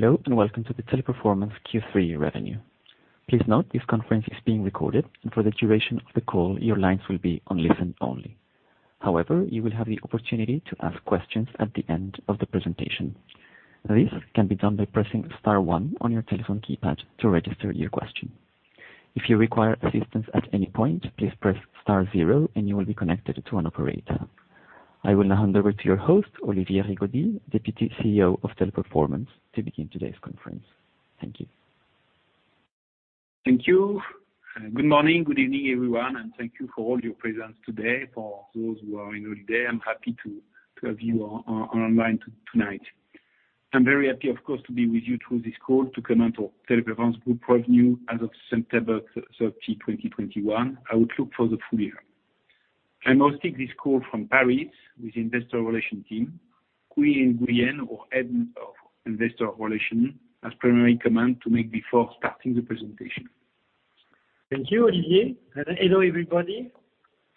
Hello, and welcome to the Teleperformance Q3 revenue. Please note this conference is being recorded and for the duration of the call, your lines will be on listen only. However, you will have the opportunity to ask questions at the end of the presentation. This can be done by pressing star one on your telephone keypad to register your question. If you require assistance at any point, please press star zero and you will be connected to an operator. I will now hand over to your host, Olivier Rigaudy, Deputy CEO of Teleperformance, to begin today's conference. Thank you. Thank you. Good morning, good evening, everyone, and thank you for all your presence today. For those who are in holiday, I'm happy to have you online tonight. I'm very happy, of course, to be with you through this call to comment on Teleperformance group revenue as of September 30, 2021, outlook for the full year. I'm hosting this call from Paris with Investor Relations team. Quy Nguyen-Ngoc, our head of Investor Relations, has primary comment to make before starting the presentation. Thank you, Olivier. Hello, everybody.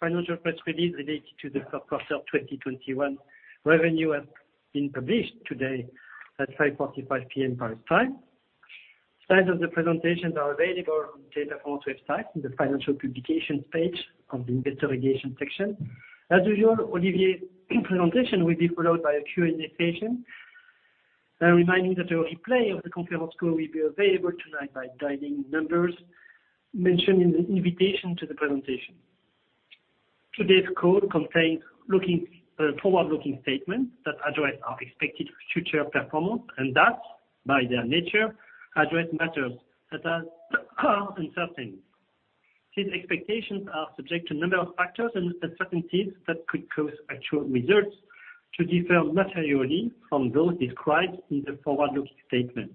Financial press release related to the third quarter of 2021 revenue has been published today at 5:45 P.M. Paris time. Slides of the presentations are available on Teleperformance website in the Financial Publications page of the Investor Relations section. As usual, Olivier's presentation will be followed by a Q&A session. I remind you that a replay of the conference call will be available tonight by dialing numbers mentioned in the invitation to the presentation. Today's call contains forward-looking statements that address our expected future performance and that, by their nature, address matters that are uncertain. These expectations are subject to a number of factors and uncertainties that could cause actual results to differ materially from those described in the forward-looking statements.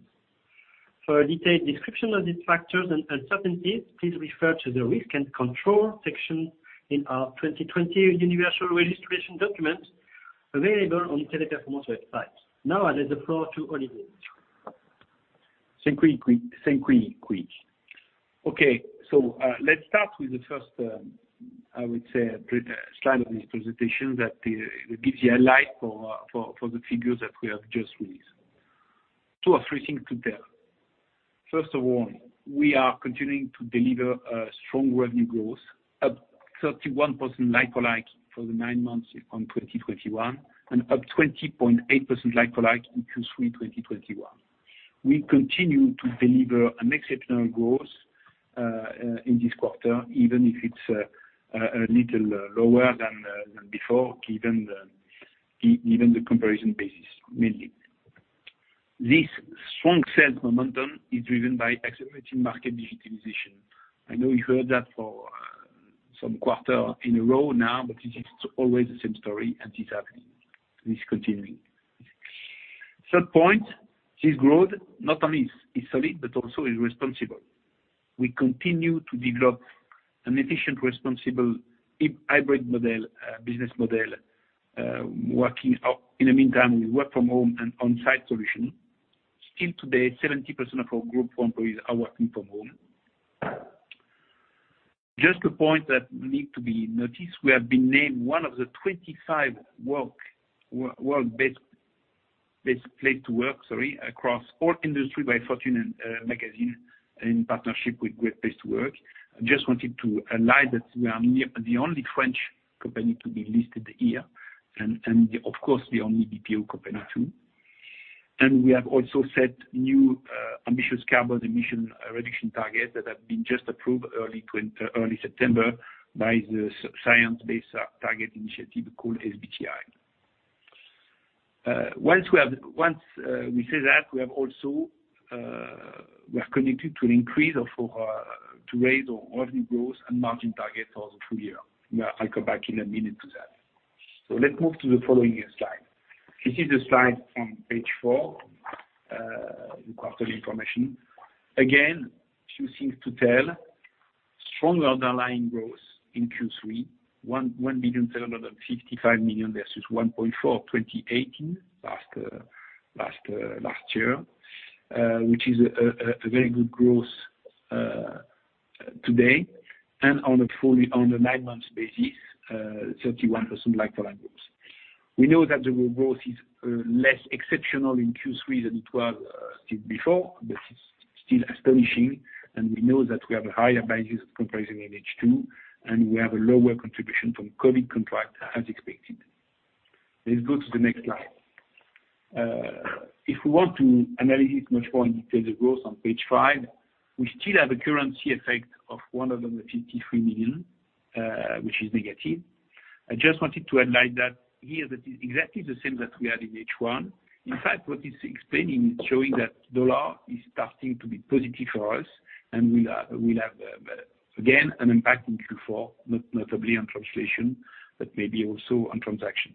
For a detailed description of these factors and uncertainties, please refer to the Risk and Control section in our 2020 universal registration document available on Teleperformance website. Now, I leave the floor to Olivier. Let's start with the first slide of this presentation that gives you a light on the figures that we have just released. Two or three things to tell. First of all, we are continuing to deliver a strong revenue growth up 31% like-for-like for the nine months of 2021, and up 20.8% like-for-like in Q3 2021. We continue to deliver an exceptional growth in this quarter, even if it's a little lower than before, given the comparison basis, mainly. This strong sales momentum is driven by accelerating market digitalization. I know you heard that for some quarters in a row now, but it is always the same story, and it's happening. It's continuing. Third point, this growth not only is solid but also is responsible. We continue to develop an efficient, responsible hybrid business model working out. In the meantime, we work from home and on-site solution. Still today, 70% of our group employees are working from home. Just a point that need to be noticed, we have been named one of the 25 world's best places to work, sorry, across all industry by Fortune Magazine in partnership with Great Place to Work. I just wanted to highlight that we are the only French company to be listed here and, of course, the only BPO company, too. We have also set new, ambitious carbon emission reduction targets that have been just approved early September by the science-based target initiative called SBTi. Once we say that we have also committed to raise our revenue growth and margin targets for the full year. Yeah, I'll come back in a minute to that. Let's move to the following slide. This is the slide on page four, the quarter information. Again, few things to tell. Strong underlying growth in Q3, 1,175 million versus 1.4 million 2018 last year, which is a very good growth today. On a nine-month basis, 31% like-for-like growth. We know that the growth is less exceptional in Q3 than it was still before, but it's still astonishing. We know that we have a higher bases comprising in H2, and we have a lower contribution from COVID contract as expected. Let's go to the next slide. If we want to analyze much more in detail the growth on page five, we still have a currency effect of 153 million, which is negative. I just wanted to highlight that here that is exactly the same that we had in H1. In fact, what is explaining, showing that U.S., dollar is starting to be positive for us and will have again an impact in Q4, notably on translation, but maybe also on transaction.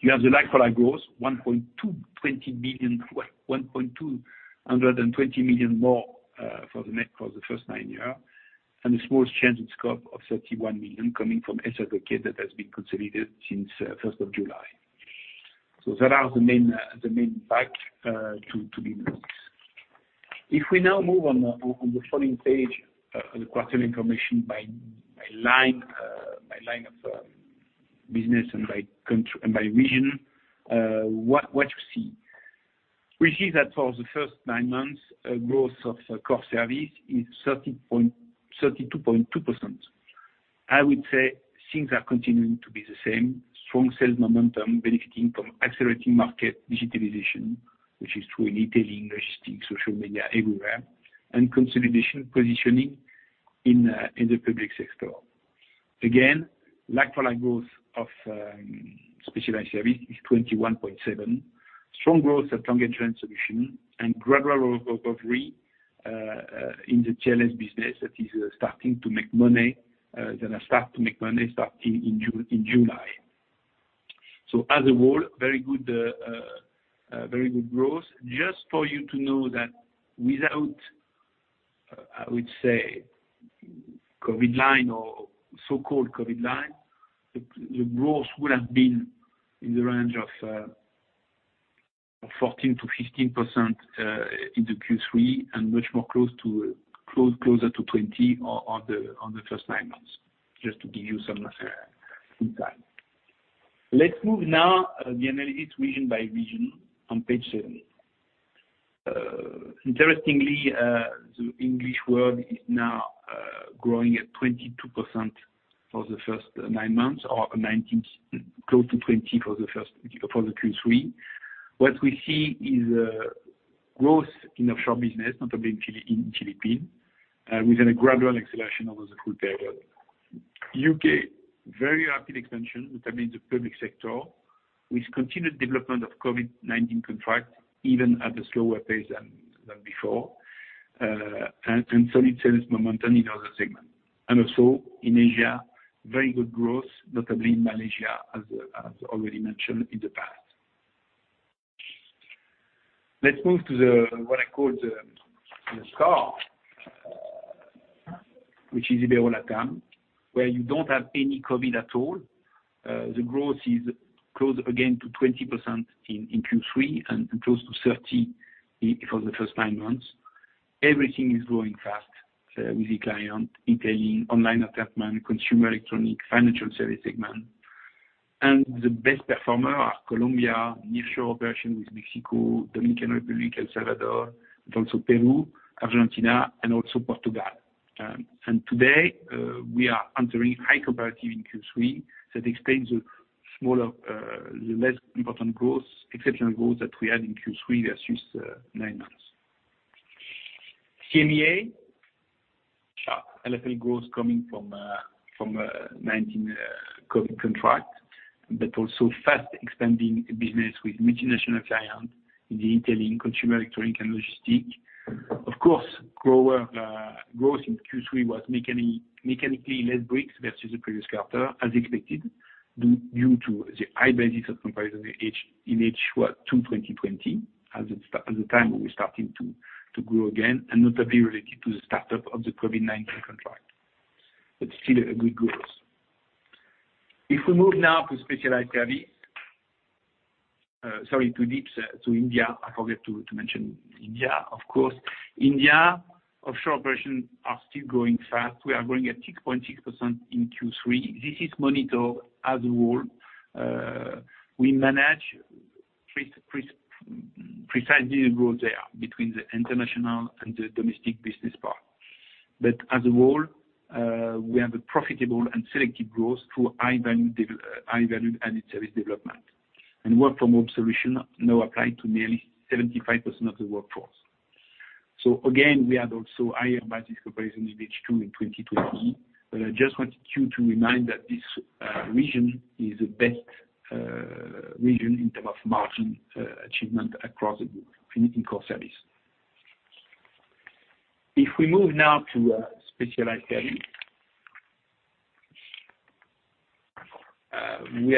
You have the like-for-like growth 1.2%, 20 billion, well, 120 million more for the revenue for the first nine months, and the smallest change in scope of 31 million coming from SSAGK that has been consolidated since the first of July. That are the main fact to be noticed. If we now move on to the following page, the quarterly information by line of business and by country and by region, what you see. We see that for the first nine months, growth of Core Services is 32.2%. I would say things are continuing to be the same. Strong sales momentum benefiting from accelerating market digitalization, which is true in e-tailing, logistics, social media, everywhere, and consolidation positioning in the public sector. Again, like-for-like growth of Specialized Services is 21.7%. Strong growth of LanguageLine Solutions, and gradual recovery in the TLScontact business that is starting to make money starting in July. As a whole, very good growth. Just for you to know that without, I would say, so-called COVID line, the growth would have been in the range of 14%-15% in the Q3, and much closer to 20% on the first nine months. Just to give you some insight. Let's move now to the analysis region by region on page seven. Interestingly, the English world is now growing at 22% for the first nine months or 19%, close to 20% for the Q3. What we see is growth in offshore business, notably in Philippines, with a gradual acceleration over the full period. U.K., very rapid expansion, which have been the public sector, with continued development of COVID-19 contract, even at a slower pace than before. And solid sales momentum in other segment. Also in Asia, very good growth, notably in Malaysia, as already mentioned in the past. Let's move to what I call the star, which is Ibero-LATAM, where you don't have any COVID at all. The growth is close again to 20% in Q3, and close to 30% LFL for the first 9 months. Everything is growing fast with the client, including online assessment, consumer electronics, financial services segment. The best performer are Colombia, nearshore business with Mexico, Dominican Republic, El Salvador, but also Peru, Argentina, and also Portugal. Today we are entering high comparatives in Q3 that explains the smaller, the less important growth, exceptional growth that we had in Q3 versus nine months. EMEA, sharp LFL growth coming from 19-COVID contracts, but also fast expanding business with multinational clients in the e-tailing, consumer electronics, and logistics. Of course, growth in Q3 was mechanically less brisk versus the previous quarter, as expected due to the high basis of comparison in H1 2020, as the time we're starting to grow again, and notably related to the startup of the COVID-19 contract. Still a good growth. If we move now to Specialized Services. Sorry, to DIBS, to India. I forgot to mention India, of course. India offshore operations are still growing fast. We are growing at 6.6% in Q3. This is monitored as a whole. We manage precisely the growth there between the international and the domestic business part. But as a whole, we have a profitable and selective growth through high value added service development. Work from home solution now applied to nearly 75% of the workforce. Again, we had also higher basis comparison in H2 in 2020. I just wanted to remind you that this region is the best region in terms of margin achievement across the group, in Core Services. If we move now to Specialized Services. We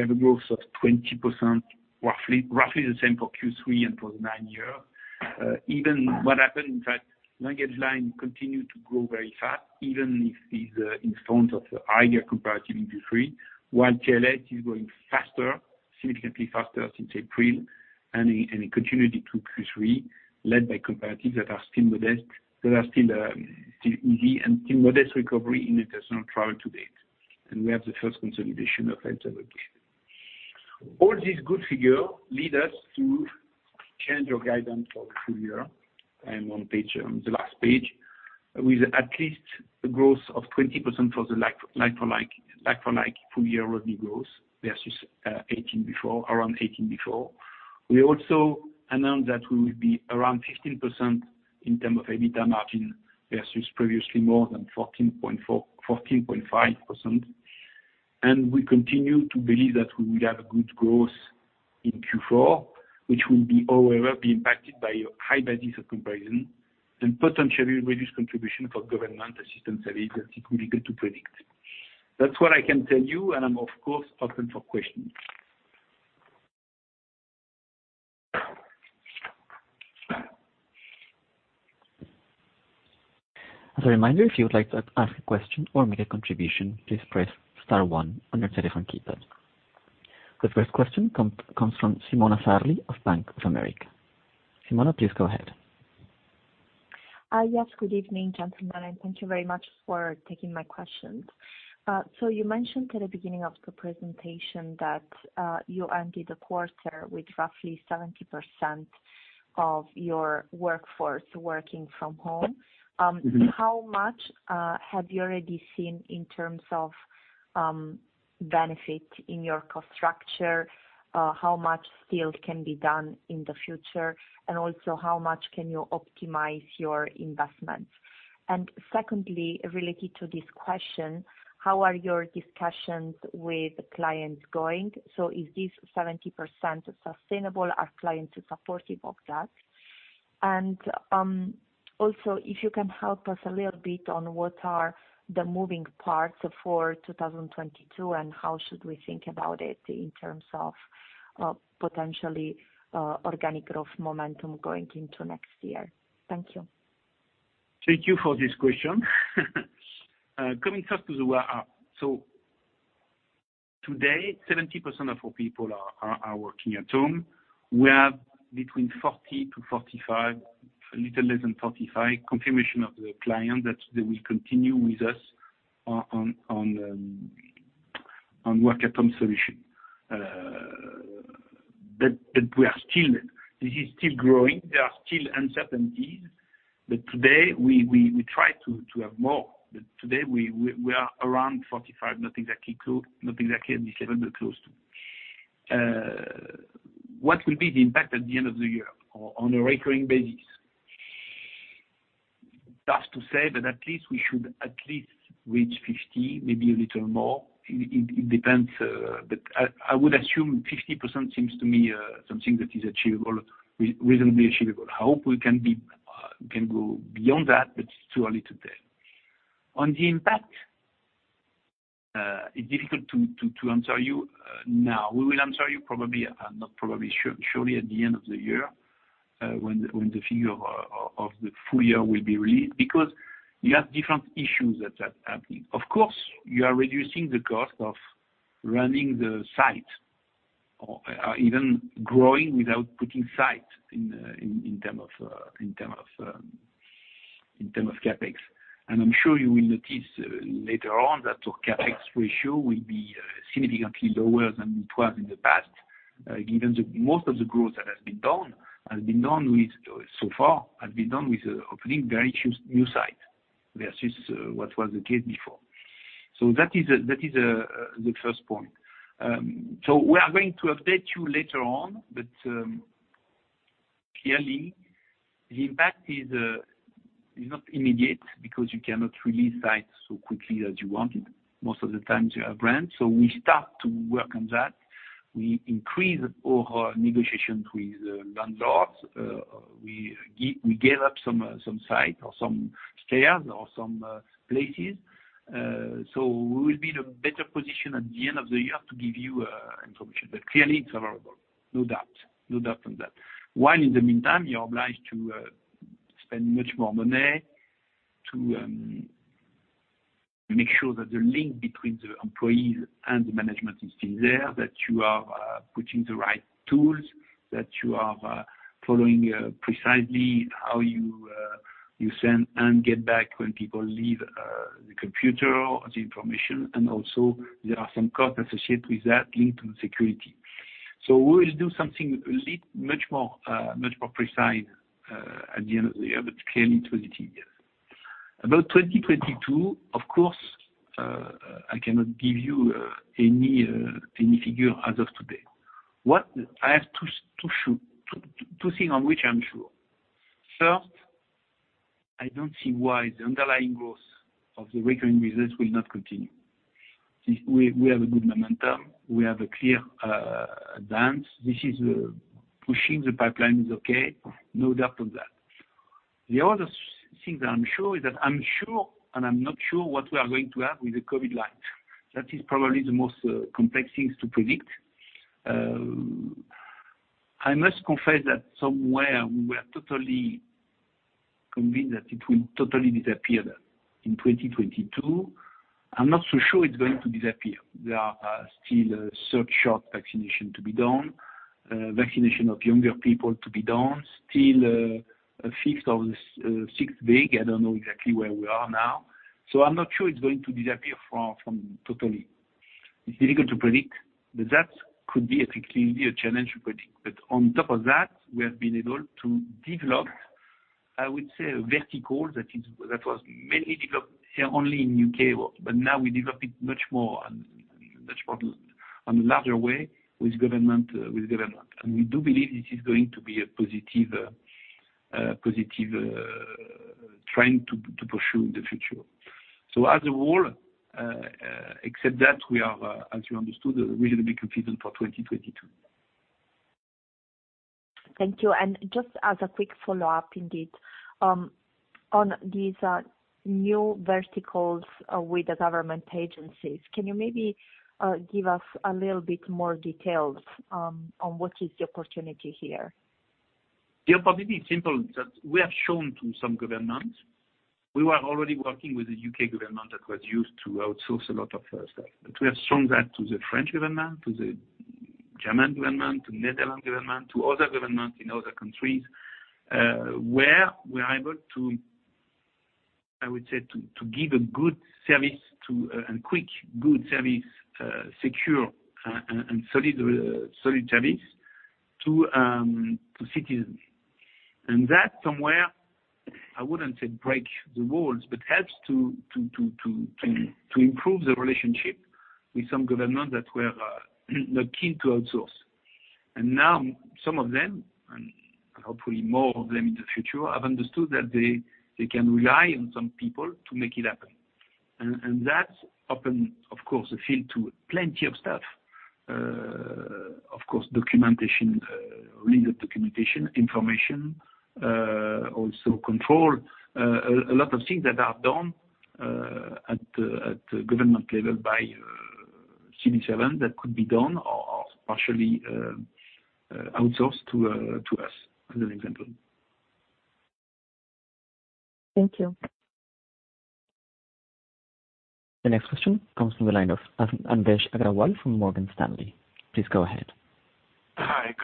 have a growth of 20%, roughly the same for Q3 and for the nine-month. Even what happened in fact, LanguageLine continued to grow very fast, even if it is in terms of the higher comparative in Q3, while TLS is growing faster, significantly faster since April, and it continued into Q3, led by comparatives that are still modest, still easy and modest recovery in international travel to date. We have the first consolidation of Health Advocate. All these good figures lead us to change our guidance for full year, and on the last page, with at least a growth of 20% for the like-for-like full year revenue growth versus 18% before, around 18% before. We also announced that we will be around 15% in terms of EBITDA margin versus previously more than 14.5%. We continue to believe that we will have a good growth in Q4, which will, however, be impacted by a high basis of comparison and potentially reduced contribution for government assistance as it will be hard to predict. That's what I can tell you, and I'm of course open for questions. As a reminder, if you would like to ask a question or make a contribution, please press star one on your telephone keypad. The first question comes from Simona Sarli of Bank of America. Simona, please go ahead. Yes, good evening, gentlemen, and thank you very much for taking my questions. You mentioned at the beginning of the presentation that you ended the quarter with roughly 70% of your workforce working from home. Mm-hmm. How much have you already seen in terms of benefit in your cost structure? How much still can be done in the future? How much can you optimize your investment? Secondly, related to this question, how are your discussions with clients going? Is this 70% sustainable? Are clients supportive of that? Also, if you can help us a little bit on what are the moving parts for 2022, and how should we think about it in terms of potentially organic growth momentum going into next year? Thank you. Thank you for this question. Coming first to the work at home. Today, 70% of our people are working at home. We have between 40%-45%, a little less than 45% confirmations from the clients that they will continue with us on work at home solution. We are still. This is still growing. There are still uncertainties, but today we try to have more. Today we are around 45%, not exactly at this level, but close to. What will be the impact at the end of the year on a recurring basis? It's tough to say, but at least we should at least reach 50%, maybe a little more. It depends, but I would assume 50% seems to me something that is achievable, reasonably achievable. I hope we can go beyond that, but it's too early to tell. On the impact, it's difficult to answer you now. We will answer you surely at the end of the year, when the figure of the full year will be released because you have different issues that are happening. Of course, you are reducing the cost of running the site or even growing without putting site in terms of CapEx. I'm sure you will notice later on that our CapEx ratio will be significantly lower than it was in the past, given that most of the growth that has been done so far has been done with opening very few new sites versus what was the case before. That is the first point. We are going to update you later on, but clearly the impact is not immediate because you cannot release sites so quickly as you want it. Most of the time you have rent. We start to work on that. We increase our negotiations with landlords. We gave up some sites or some spaces or some places. We will be in a better position at the end of the year to give you information. Clearly it's favorable, no doubt on that. While in the meantime, you're obliged to spend much more money to make sure that the link between the employees and the management is still there, that you are putting the right tools, that you are following precisely how you send and get back when people leave the computer or the information. Also there are some costs associated with that linked to security. We will do something much more precise at the end of the year, but clearly it's positive. About 2022, of course, I cannot give you any figure as of today. What I have to say two things on which I'm sure. First, I don't see why the underlying growth of the recurring business will not continue. So we have a good momentum. We have a clear stance. This is pushing the pipeline is okay, no doubt on that. The other thing that I'm sure is that I'm sure, and I'm not sure what we are going to have with the COVID light. That is probably the most complex things to predict. I must confess that somehow we were totally convinced that it will totally disappear there in 2022. I'm not so sure it's going to disappear. There are still booster vaccination to be done, vaccination of younger people to be done. Still, a sixth wave, I don't know exactly where we are now. I'm not sure it's going to disappear from totally. It's difficult to predict, but that could be a clear challenge to predict. On top of that, we have been able to develop, I would say, a vertical that was mainly developed here only in U.K. world, but now we develop it much more on a larger way with government. We do believe this is going to be a positive trend to pursue in the future. As a whole, except that we are, as you understood, reasonably confident for 2022. Thank you. Just as a quick follow-up indeed, on these new verticals with the government agencies, can you maybe give us a little bit more details on what is the opportunity here? The opportunity is simple, that we have shown to some governments. We were already working with the U.K. government that was used to outsource a lot of stuff. We have shown that to the French government, to the German government, to the Netherlands government, to other governments in other countries, where we're able to, I would say, to give a good service to and quick, good service, secure and solid service to citizens. That somewhere, I wouldn't say break the walls, but helps to improve the relationship with some governments that were not keen to outsource. Now some of them, and hopefully more of them in the future, have understood that they can rely on some people to make it happen. That's opened, of course, a field to plenty of stuff. Of course, documentation, legal documentation, information, also control, a lot of things that are done at government level by civil servants that could be done or partially outsourced to us, as an example. Thank you. The next question comes from the line of Anvesh Agrawal from Morgan Stanley. Please go ahead. Hi.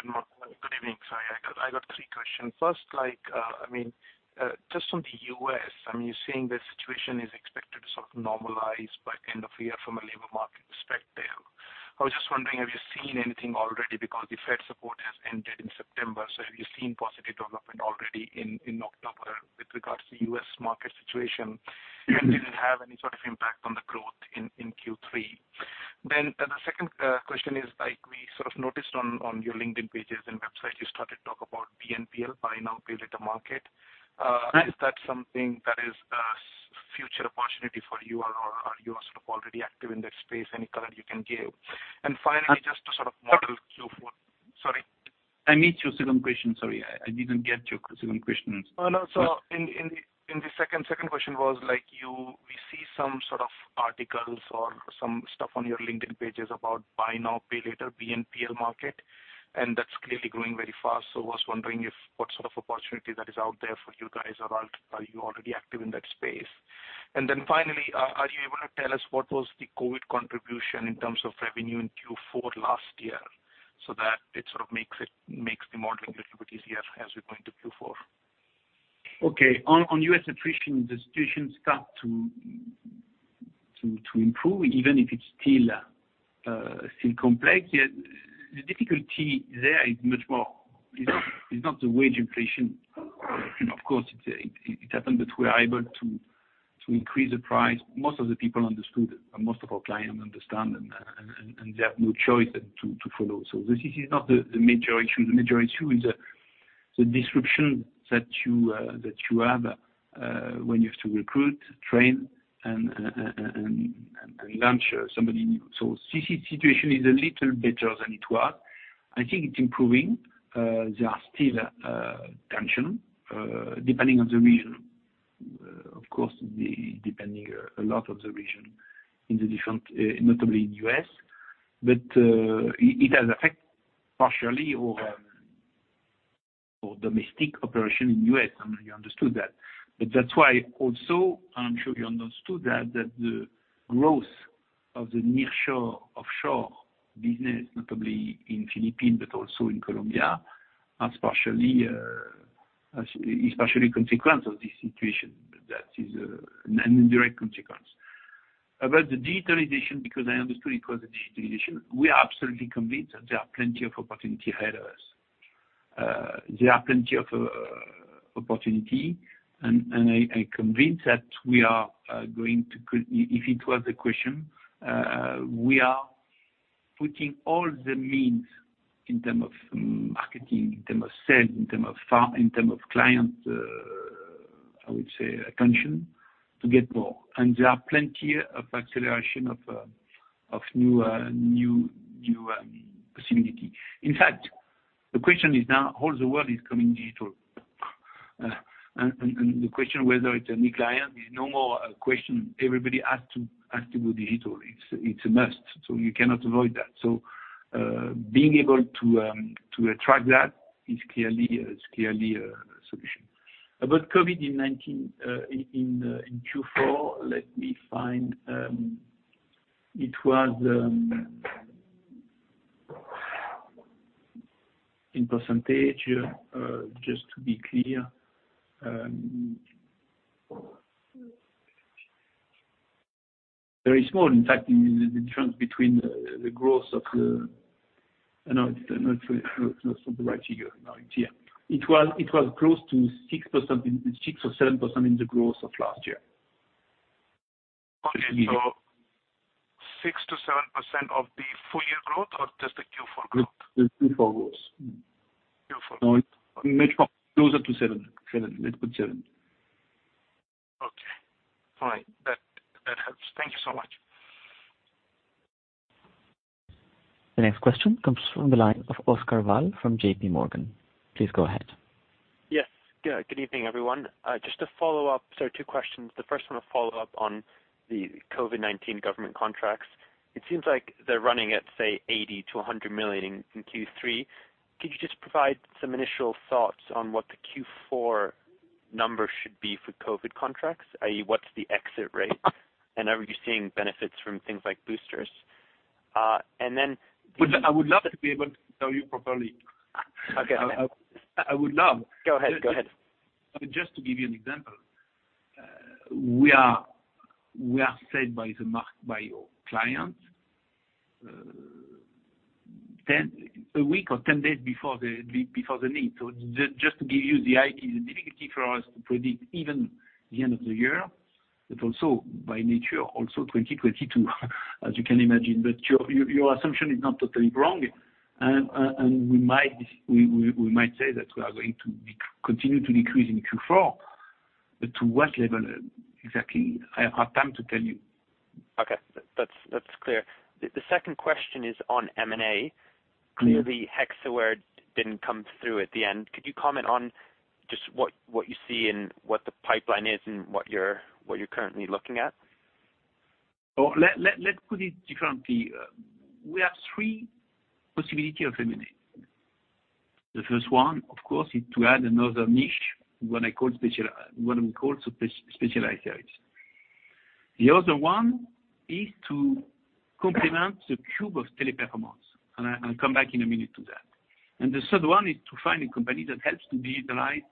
Good evening. Sorry. I got three questions. First, like, I mean, just on the U.S., I mean, you're seeing the situation is expected to sort of normalize by end of year from a labor market perspective. I was just wondering, have you seen anything already because the Fed support has ended in September, so have you seen positive development already in October with regards to the U.S. market situation? And did it have any sort of impact on the growth in Q3? The second question is like, we sort of noticed on your LinkedIn pages and website, you started to talk about BNPL, buy now, pay later market. Right. Is that something that is a future opportunity for you or are you sort of already active in that space? Any color you can give. Finally. I. Just to sort of model Q4. Sorry? I missed your second question. Sorry. I didn't get your second question. In the second question, we see some sort of articles or some stuff on your LinkedIn pages about buy now, pay later, BNPL market, and that's clearly growing very fast. I was wondering what sort of opportunity that is out there for you guys, or are you already active in that space? Finally, are you able to tell us what was the COVID contribution in terms of revenue in Q4 last year so that it makes the modeling a little bit easier as we go into Q4? On U.S. attrition, the situation starts to improve even if it's still complex. The difficulty there is much more. It's not the wage inflation. Of course it happened that we are able to increase the price. Most of the people understood, most of our clients understand and they have no choice but to follow. This is not the major issue. The major issue is the disruption that you have when you have to recruit, train, and launch somebody new. This situation is a little better than it was. I think it's improving. There are still tension depending on the region. Of course, depending a lot on the region in the different, notably in U.S. It has effect partially on domestic operation in U.S. I mean, you understood that. That's why also, and I'm sure you understood that the growth of the nearshore, offshore business, notably in Philippines but also in Colombia, are especially consequence of this situation. That is an indirect consequence. About the digitalization, because I understood it was a digitalization, we are absolutely convinced that there are plenty of opportunity ahead of us. There are plenty of opportunity and I convince that we are. If it was the question, we are putting all the means in terms of marketing, in terms of sales, in terms of client, I would say attention to get more. There are plenty of acceleration of new possibility. In fact, the question is now all the world is coming digital. The question whether it's a new client is no more a question. Everybody has to go digital. It's a must, so you cannot avoid that. Being able to attract that is clearly a solution. About COVID in 2019 in Q4, let me find. It was, in percentage, just to be clear, very small. In fact, the difference between the growth of the last year. I know it's not the right figure. No, it's here. It was close to 6% or 7% in the growth of last year. Okay. 6%-7% of the full year growth or just the Q4 growth? Q4 growth. Q4 growth. No, it's much closer to 7%. 7%. Let's put 7%. Okay. Fine. That helps. Thank you so much. The next question comes from the line of Oscar Val Mas from J.P. Morgan. Please go ahead. Yes. Good evening, everyone. Just to follow up, two questions. The first one, a follow-up on the COVID-19 government contracts. It seems like they're running at, say, 80 million-100 million in Q3. Could you just provide some initial thoughts on what the Q4 numbers should be for COVID contracts? I.e., what's the exit rate? And are you seeing benefits from things like boosters? And then. I would love to be able to tell you properly. Okay. I would love. Go ahead. Just to give you an example, we are set by the market by your clients a week or 10 days before the need. Just to give you the idea, the difficulty for us to predict even the end of the year, but also by nature, also 2022, as you can imagine. Your assumption is not totally wrong. We might say that we are going to continue to decrease in Q4, but to what level exactly, I have hard time to tell you. Okay. That's clear. The second question is on M&A. Mm-hmm. Clearly, Hexaware didn't come through at the end. Could you comment on just what you see and what the pipeline is and what you're currently looking at? Let's put it differently. We have three possibility of M&A. The first one, of course, is to add another niche, what we call specialized areas. The other one is to complement the cube of Teleperformance, and I'll come back in a minute to that. The third one is to find a company that helps to digitalize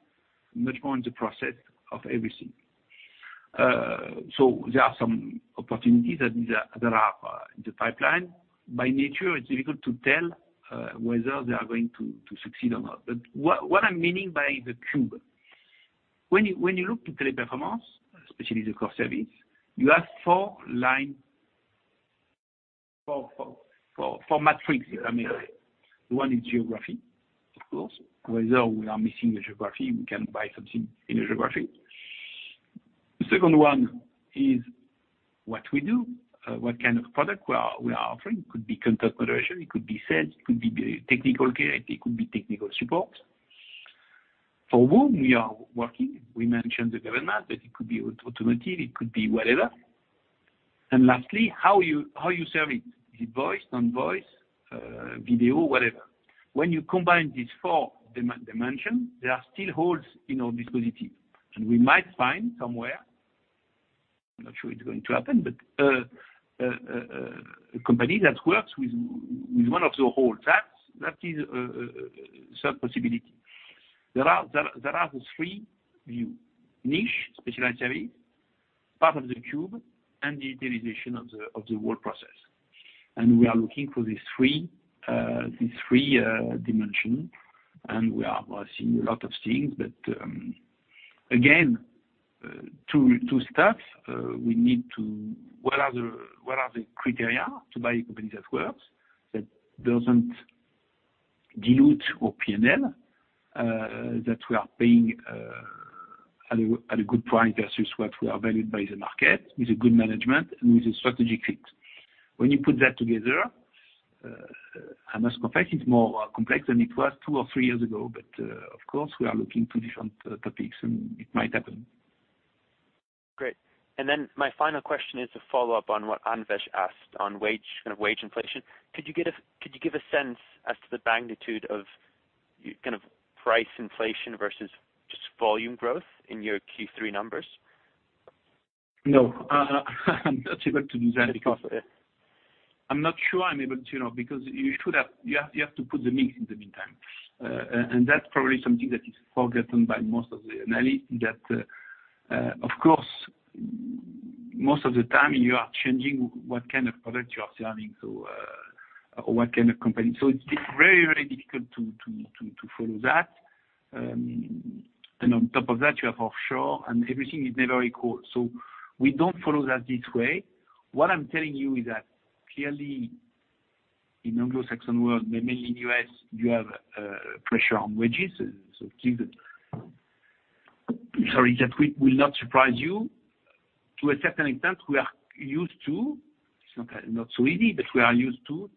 much more in the process of everything. There are some opportunities that there are in the pipeline. By nature, it's difficult to tell whether they are going to succeed or not. What I'm meaning by the cube, when you look to Teleperformance, especially the Core Services, you have four metrics, if I may say. One is geography, of course. Whether we are missing a geography, we can buy something in a geography. The second one is what we do, what kind of product we are offering. It could be content moderation, it could be sales, it could be technical care, it could be technical support. For whom we are working, we mentioned the government, but it could be automotive, it could be whatever. Lastly, how you serve it. Is it voice, non-voice, video, whatever. When you combine these four dimensions, there are still holes in our dispositive. We might find somewhere, I'm not sure it's going to happen, but a company that works with one of the whole stacks, that is, a certain possibility. There are the three views: niche, specialized areas, part of the cube, and the utilization of the work process. We are looking for these three dimensions, and we are seeing a lot of things. Again, to start, what are the criteria to buy a company that works, that doesn't dilute our P&L, that we are paying at a good price versus what we are valued by the market, with a good management and with a strategic fit. When you put that together, I must confess, it's more complex than it was two or three years ago, of course, we are looking at different topics and it might happen. Great. My final question is a follow-up on what Anvesh asked on wage, kind of wage inflation. Could you give a sense as to the magnitude of kind of price inflation versus just volume growth in your Q3 numbers? No. I'm not able to do that because I'm not sure I'm able to, you know, because you have to put the mix in the meantime. And that's probably something that is forgotten by most of the analysts, that of course, most of the time you are changing what kind of product you are selling to, or what kind of company. It's very difficult to follow that. And on top of that, you have offshore and everything is never equal. We don't follow that this way. What I'm telling you is that clearly in Anglo-Saxon world, but mainly in U.S., you have pressure on wages. It seems that, sorry, that will not surprise you. To a certain extent, we are used to. It's not so easy, but we are used to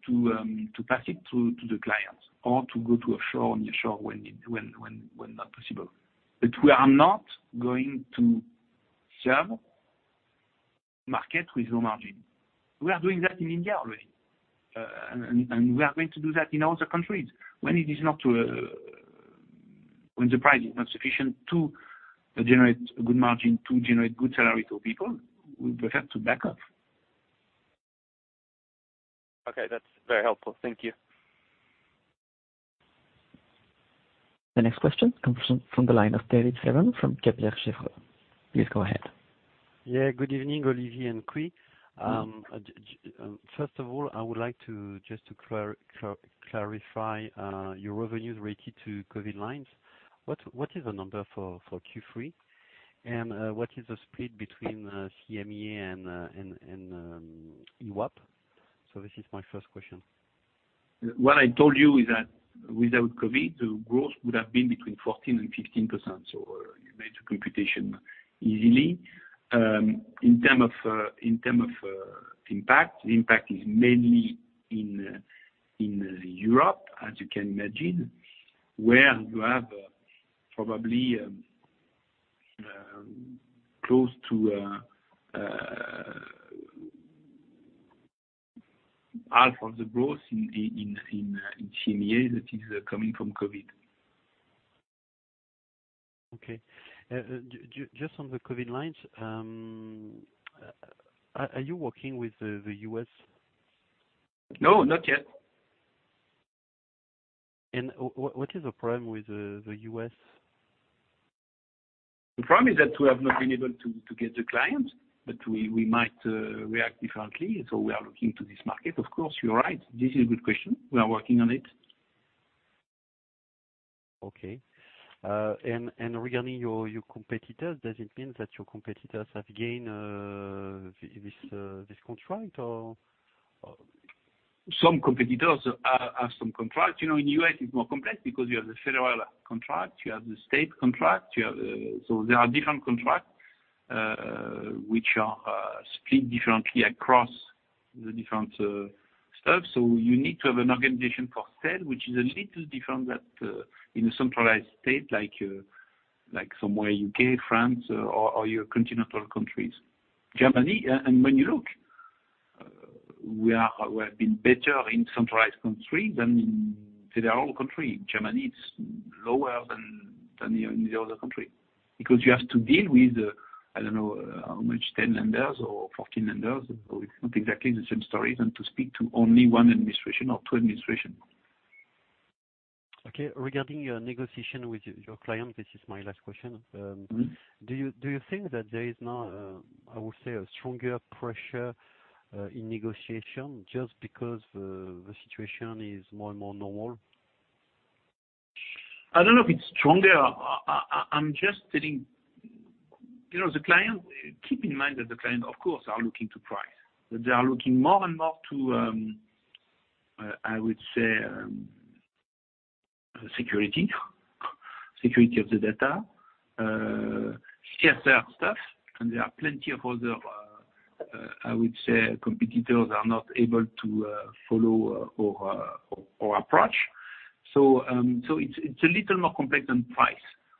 pass it to the clients or to go to offshore and nearshore when it's not possible. We are not going to serve market with low margin. We are doing that in India already. We are going to do that in other countries. When the price is not sufficient to generate a good margin, to generate good salary to people, we prefer to back off. Okay, that's very helpful. Thank you. The next question comes from the line of David Cerdan from Kepler Cheuvreux. Please go ahead. Yeah, good evening, Olivier and Cui. First of all, I would like just to clarify your revenues related to COVID lines. What is the number for Q3? And what is the split between CEMEA and EWAP? This is my first question. What I told you is that without COVID, the growth would have been between 14% and 15%. In terms of impact, the impact is mainly in Europe, as you can imagine, where you have probably close to half of the growth in CEMEA that is coming from COVID. Okay. Just on the COVID lines, are you working with the U.S.? No, not yet. What is the problem with the U.S.? The problem is that we have not been able to get the clients, but we might react differently. We are looking to this market. Of course, you're right. This is a good question. We are working on it. Okay. Regarding your competitors, does it mean that your competitors have gained this contract or? Some competitors have some contracts. In the U.S., it's more complex because you have the federal contract, you have the state contract, you have. There are different contracts, which are split differently across the different stuff. You need to have an organization for sale, which is a little different than in a centralized state like somewhere in the U.K., France, or your continental countries. Germany, and when you look, we have been better in centralized country than in federal country. Germany, it's lower than in the other country. Because you have to deal with I don't know how many, 10 Länder or 14 Länder. It's not exactly the same story as to speak to only one administration or two administrations. Okay. Regarding your negotiation with your client, this is my last question. Mm-hmm. Do you think that there is now a, I would say, a stronger pressure in negotiation just because the situation is more and more normal? I don't know if it's stronger. I'm just telling. You know, the client. Keep in mind that the client, of course, are looking to price, but they are looking more and more to, I would say, security of the data, CSR stuff. There are plenty of other, I would say, competitors are not able to follow or approach. It's a little more complex than price.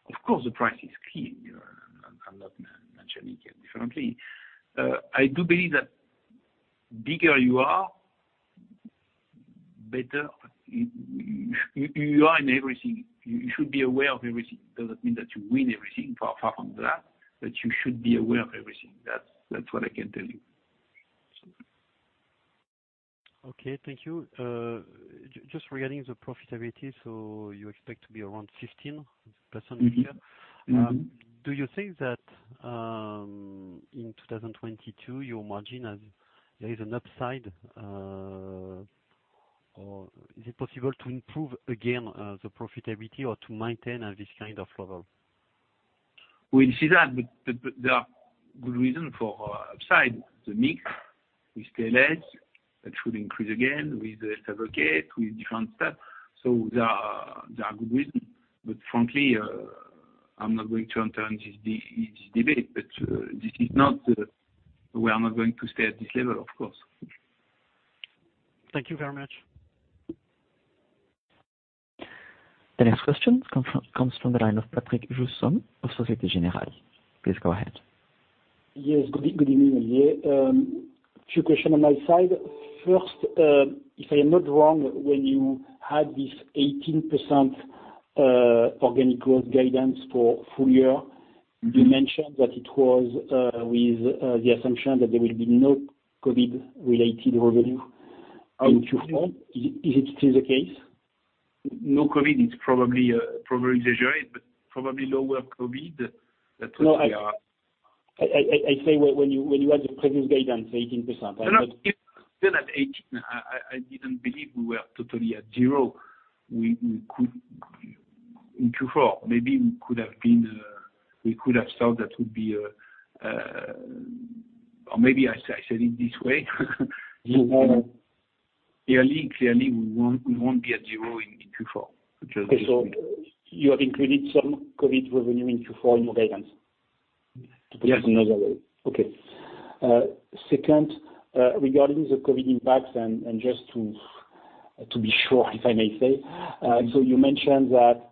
Of course, the price is key. You know, I'm not mentioning it differently. I do believe that bigger you are, better you are in everything. You should be aware of everything. Doesn't mean that you win everything, far from that, but you should be aware of everything. That's what I can tell you. Okay, thank you. Just regarding the profitability, you expect to be around 15% this year. Mm-hmm. Do you think that in 2022 there is an upside, or is it possible to improve again the profitability or to maintain this kind of level? We'll see that, but there are good reason for upside. The mix with TLScontact, that should increase again with Health Advocate, with different stuff. There are good reason. Frankly, I'm not going to enter in this this debate. This is not the level we are going to stay at, of course. Thank you very much. The next question comes from the line of Patrick Jousseaume of Société Générale. Please go ahead. Yes. Good evening. Yeah, two questions on my side. First, if I am not wrong, when you had this 18% organic growth guidance for full year? Mm-hmm. You mentioned that it was with the assumption that there will be no COVID-related revenue in Q4. No. Is it still the case? No COVID, it's probably exaggerated, but probably lower COVID. That would be our. No, I say when you had the previous guidance, 18%, right? No, no. Even at 18%, I didn't believe we were totally at zero. In Q4, maybe we could have been. We could have thought that would be. Maybe I said it this way. Mm-hmm. Clearly we won't be at zero in Q4. Okay. You have included some COVID revenue in Q4 in your guidance? Yes. To put it another way. Okay. Second, regarding the COVID impacts and just to be sure, if I may say. So you mentioned that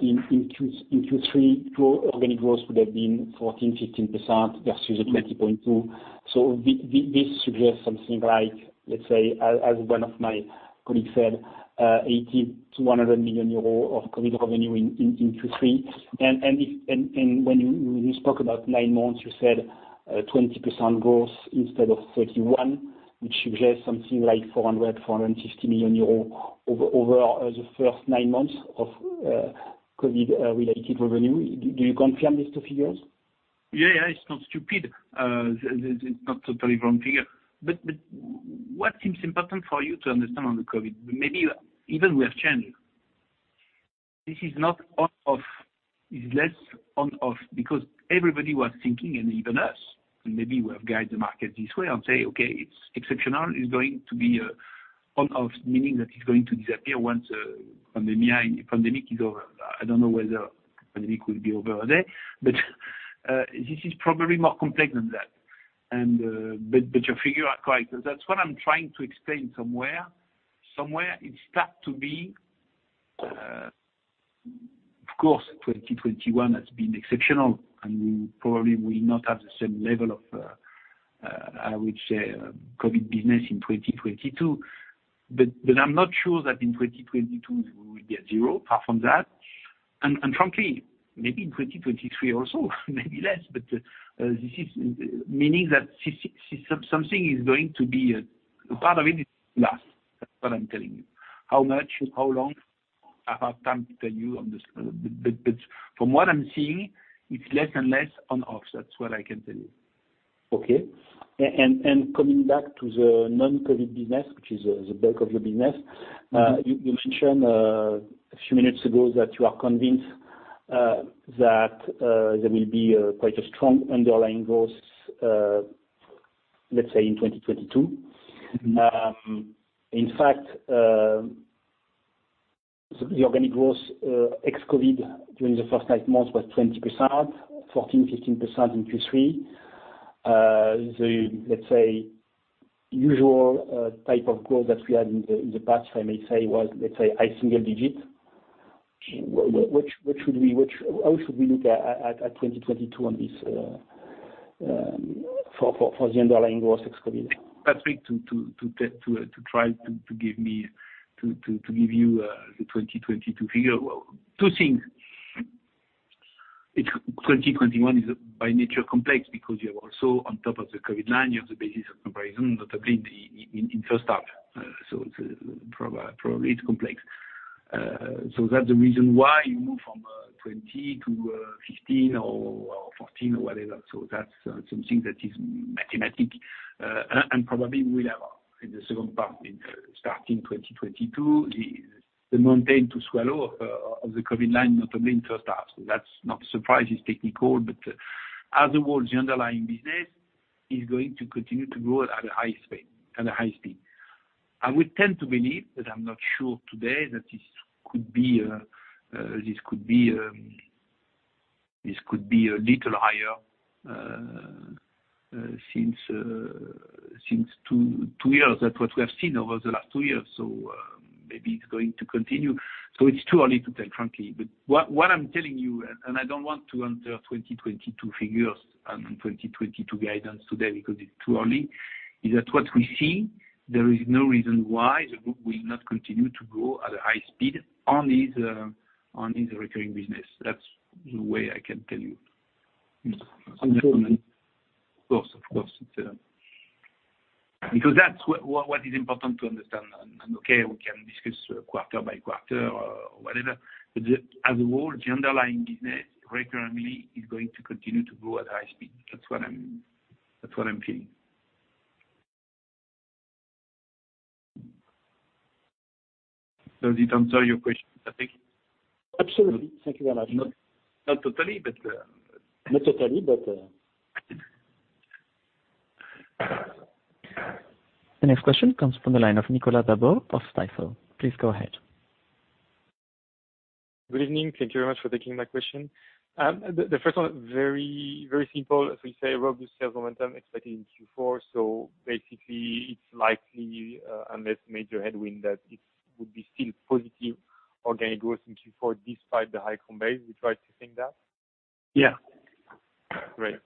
in Q3, organic growth would have been 14%-15% versus the 20.2%. So this suggests something like, let's say, as one of my colleagues said, 80 million-100 million euro of COVID revenue in Q3. And when you spoke about nine months, you said 20% growth instead of 31%, which suggests something like 400 million-450 million euros over the first nine months of COVID related revenue. Do you confirm these two figures? Yeah, yeah. It's not stupid. That's not totally wrong figure. But what seems important for you to understand on the COVID, maybe even we have changed. This is not on, off. It's less on, off. Because everybody was thinking, and even us, and maybe we have guided the market this way and say, "Okay, it's exceptional. It's going to be on off, meaning that it's going to disappear once pandemic is over. I don't know whether pandemic will be over a day, but this is probably more complex than that. But your figures are correct. That's what I'm trying to explain somewhere. Somewhere it starts to be, of course, 2021 has been exceptional, and we probably will not have the same level of, I would say, COVID business in 2022. I'm not sure that in 2022 we will get zero apart from that. Frankly, maybe in 2023 also, maybe less. This is meaning that something is going to be, part of it is lost. That's what I'm telling you. How much, how long? It's a hard time to tell you on this. From what I'm seeing, it's less and less on off. That's what I can tell you. Okay. Coming back to the non-COVID business, which is the bulk of your business. Mm-hmm. You mentioned a few minutes ago that you are convinced that there will be quite a strong underlying growth, let's say in 2022. In fact, the organic growth ex-COVID during the first nine months was 20%, 14%-15% in Q3. The usual type of growth that we had in the past, I may say, was high single-digit. How should we look at 2022 on this for the underlying growth ex-COVID? Patrick, to try to give you the 2022 figure. Well, two things. 2021 is by nature complex because you have also on top of the COVID-19, you have the basis of comparison, notably in first half. It's probably complex. That's the reason why you move from 20% to 15% or 14% or whatever. That's something that is mathematical. Probably we'll have in the second part, starting 2022, the mountain to swallow of the COVID-19, notably in first half. That's no surprise, it's technical. As a whole, the underlying business is going to continue to grow at a high speed. I would tend to believe that I'm not sure today that this could be a little higher since two years. That's what we have seen over the last two years, maybe it's going to continue. It's too early to tell, frankly. What I'm telling you, I don't want to enter 2022 figures and 2022 guidance today because it's too early, is that what we see, there is no reason why the group will not continue to grow at a high speed on this recurring business. That's the way I can tell you. On the. Of course. It's because that's what is important to understand. Okay, we can discuss quarter by quarter or whatever. As a whole, the underlying business regularly is going to continue to grow at a high speed. That's what I'm feeling. Does it answer your question, Patrick? Absolutely. Thank you very much. Not totally, but Not totally, but. The next question comes from the line of Nicolas David of Stifel. Please go ahead. Good evening. Thank you very much for taking my question. The first one, very, very simple. As we say, robust sales momentum expected in Q4, so basically it's likely, unless major headwind, that it would be still positive organic growth in Q4 despite the high comparables. We try to think that? Yeah. Great.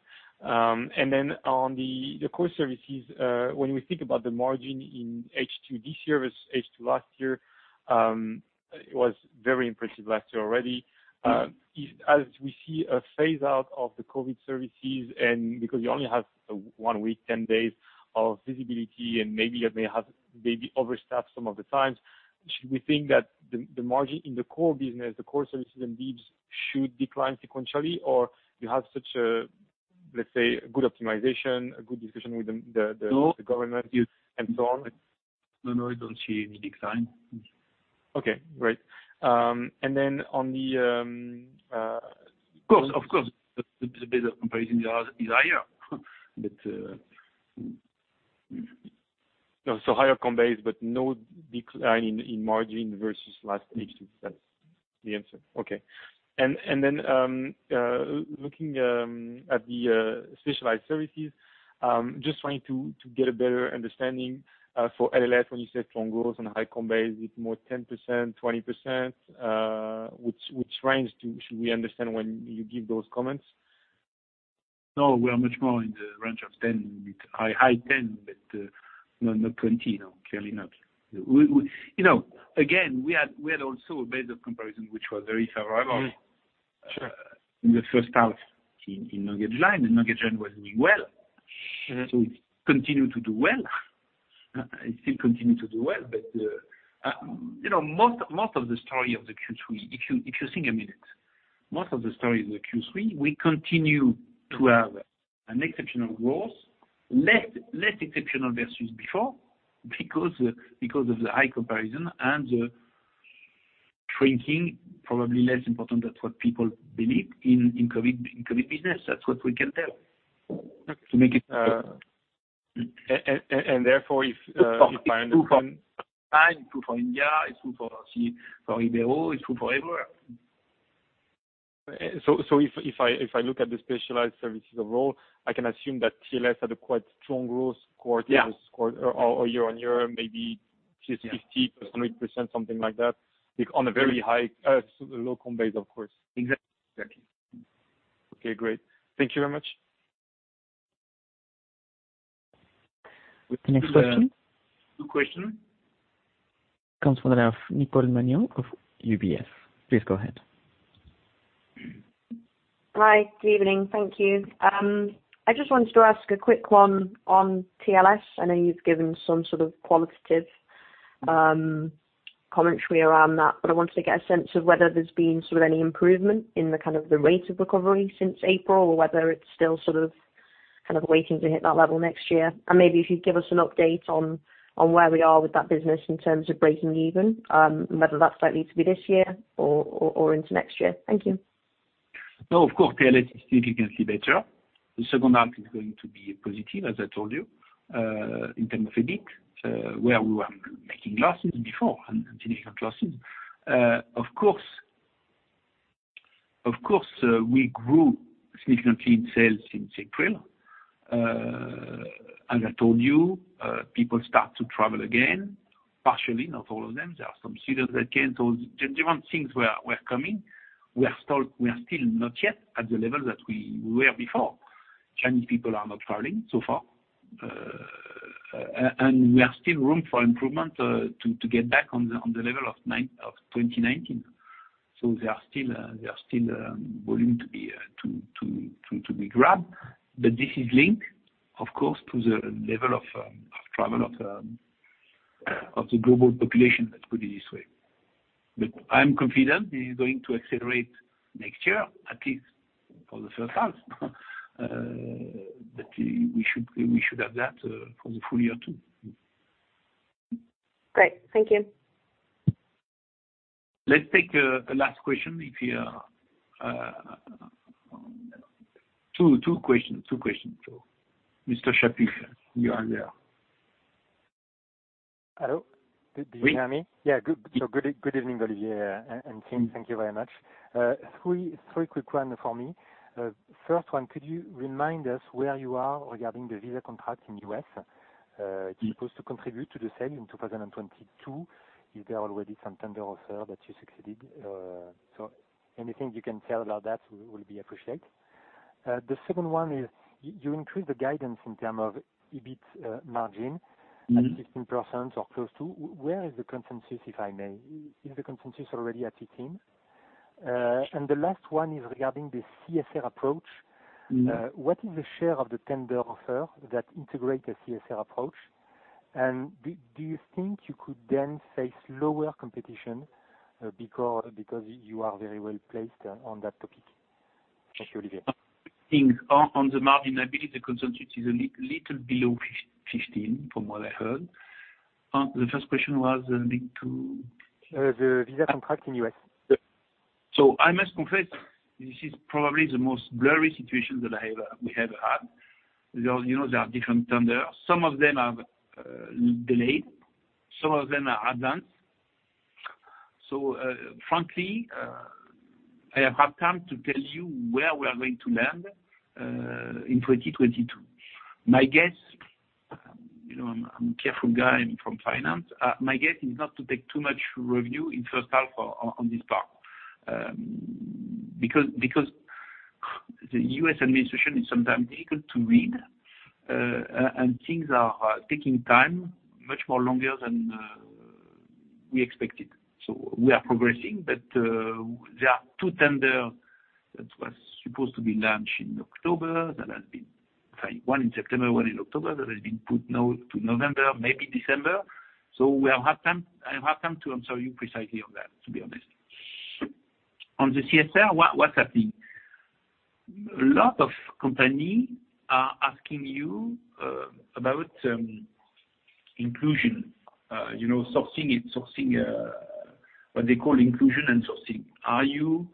On the Core Services, when we think about the margin in H2 this year versus H2 last year, it was very impressive last year already. Mm-hmm. As we see a phase out of the COVID services and because you only have one week, 10 days of visibility and maybe you have overstaffed some of the times, should we think that the margin in the core business, the Core Services and D.I.B.S. should decline sequentially? You have such a, let's say, good optimization, a good discussion with the No. The government and so on? No, no, I don't see any big sign. Okay, great. On th. Of course, the bit of comparison is higher, but. Higher comparables, but no decline in margin versus last H2. That's the answer. Okay. Looking at the Specialized Services, just trying to get a better understanding for LLS, when you said strong growth and high comparables, is it more 10%, 20%? Which range should we understand when you give those comments? No, we are much more in the range of 10%, with high teens%, but no, not 20%. No, clearly not. You know, again, we had also a base of comparison, which was very favorable. Mm-hmm. Sure. In the first half in LanguageLine Solutions, and LanguageLine Solutions was doing well. Sure. It continued to do well. It still continue to do well. You know, most of the story of the Q3, if you think a minute, we continue to have an exceptional growth, less exceptional versus before because of the high comparison and the shrinking, probably less important than what people believe in COVID business. That's what we can tell. Okay. To make it. Therefore, if I understand. It's good for China, it's good for India, it's good for Ibero-LATAM, it's good for everywhere. If I look at the Specialized Services overall, I can assume that TLScontact had a quite strong growth quarter. Yeah. This quarter or year-on-year, maybe 50%-100%, something like that, like on a very high, so low base, of course. Exactly. Okay, great. Thank you very much. The next question. Two questions. Comes from the line of Nicole Manion of UBS. Please go ahead. Hi, good evening. Thank you. I just wanted to ask a quick one on TLScontact. I know you've given some sort of qualitative commentary around that, but I wanted to get a sense of whether there's been sort of any improvement in the kind of rate of recovery since April or whether it's still sort of kind of waiting to hit that level next year. Maybe if you'd give us an update on where we are with that business in terms of breaking even, whether that's likely to be this year or into next year. Thank you. No, of course, TLScontact is significantly better. The second half is going to be positive, as I told you, in terms of EBIT, where we were making losses before and significant losses. Of course, we grew significantly in sales in April. As I told you, people start to travel again, partially, not all of them. There are some students that can't, or different things were coming. We are still not yet at the level that we were before. Chinese people are not traveling so far. And we still have room for improvement to get back on the level of 2019. So there are still volume to be grabbed. This is linked, of course, to the level of travel, of the global population that could be this way. I'm confident this is going to accelerate next year, at least for the first half. We should have that for the full year too. Great. Thank you. Let's take a last question if you have two questions. Mr. Shapif, you are there. Hello. Do you hear me? Oui. Good evening, Olivier, and team. Thank you very much. Three quick ones for me. First one, could you remind us where you are regarding the visa contract in U.S.? Mm. It's supposed to contribute to the sale in 2022. Is there already some tender offer that you succeeded? So anything you can tell about that will be appreciated. The second one is you increase the guidance in terms of EBIT margin. Mm. At 16% or close to. Where is the consensus, if I may? Is the consensus already at 18%? And the last one is regarding the CSR approach. Mm. What is the share of the tender offer that integrate the CSR approach? Do you think you could then face lower competition, because you are very well-placed on that topic? Thank you, Olivier. Things on the margin, I believe the consensus is a little below 15%, from what I heard. The first question was linked to? The visa contract in U.S. I must confess, this is probably the most blurry situation that we have had. There are, you know, there are different tenders. Some of them are delayed, some of them are advanced. Frankly, I have hard time to tell you where we are going to land in 2022. My guess, you know, I'm a careful guy, I'm from finance. My guess is not to take too much revenue in first half on this part, because the U.S. administration is sometimes difficult to read, and things are taking time, much more longer than we expected. We are progressing, but there are two tender that was supposed to be launched, one in September, one in October, that has been put now to November, maybe December. I will have time to answer you precisely on that, to be honest. On the CSR, what's happening? A lot of companies are asking you about inclusion. You know, sourcing what they call inclusion and sourcing. Are you,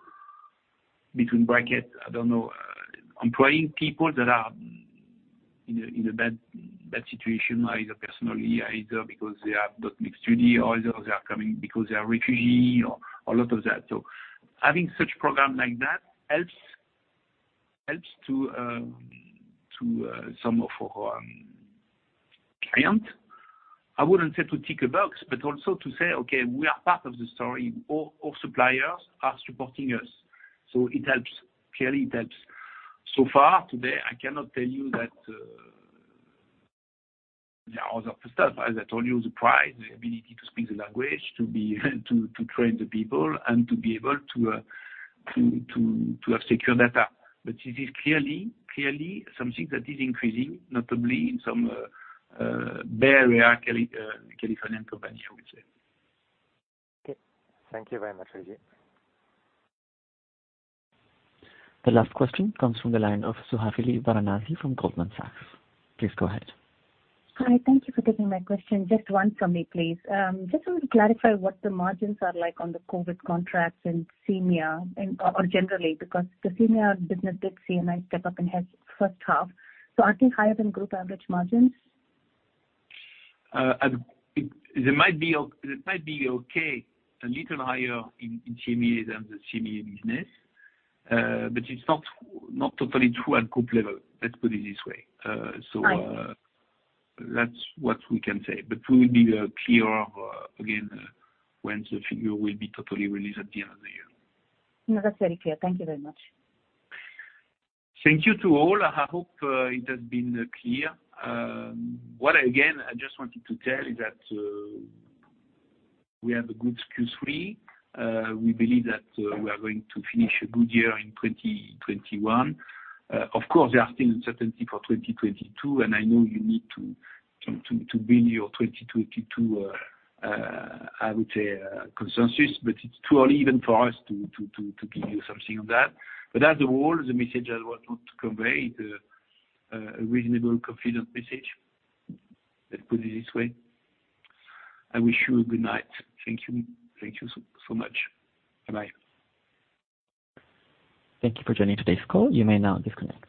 in brackets, I don't know, employing people that are in a bad situation, either personally, or because they have no fixed duty, or they are coming because they are refugees or a lot of that. Having such program like that helps to some of our client. I wouldn't say to tick a box, but also to say, okay, we are part of the story. All suppliers are supporting us. It helps. Clearly, it helps. So far today, I cannot tell you that. There are other stuff, as I told you, the price, the ability to speak the language, to train the people and to be able to have secure data. But it is clearly something that is increasing, notably in some Bay Area, Californian company, I would say. Okay. Thank you very much, Olivier. The last question comes from the line of Suhasini Varanasi from Goldman Sachs. Please go ahead. Hi, thank you for taking my question. Just one from me, please. Just wanted to clarify what the margins are like on the COVID contracts in CEMEA and/or generally, because the CEMEA business did see a nice step up in first half. I think higher than group average margins. It might be okay, a little higher in CEMEA than the CEMEA business. It's not totally true at group level, let's put it this way. Fine. That's what we can say. We will be clearer again when the figure will be totally released at the end of the year. No, that's very clear. Thank you very much. Thank you to all. I hope it has been clear. What again, I just wanted to tell is that we have a good Q3. We believe that we are going to finish a good year in 2021. Of course, there are still uncertainty for 2022, and I know you need to build your 2022 consensus, but it's too early even for us to give you something on that. As a whole, the message I want to convey is a reasonable confident message. Let's put it this way. I wish you a good night. Thank you. Thank you so much. Bye-bye. Thank you for joining today's call. You may now disconnect.